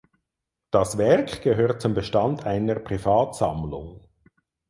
Das Werk gehört zum Bestand einer Privatsammlung.